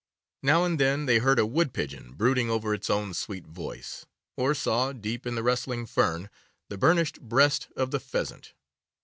Now and then they heard a wood pigeon brooding over its own sweet voice, or saw, deep in the rustling fern, the burnished breast of the pheasant.